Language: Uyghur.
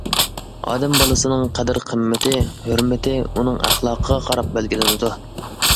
ئادەم بالىسىنىڭ قەدىر-قىممىتى، ھۆرمىتى ئۇنىڭ ئەخلاقىغا قاراپ بەلگىلىنىدۇ.